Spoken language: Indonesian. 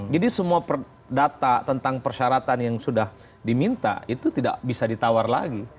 jadi semua data tentang persyaratan yang sudah diminta itu tidak bisa ditawar lagi